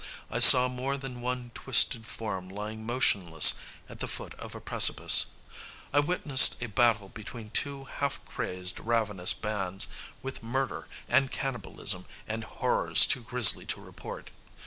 I saw more than one twisted form lying motionless at the foot of a precipice. I witnessed a battle between two half crazed, ravenous bands, with murder, and cannibalism, and horrors too grisly to report.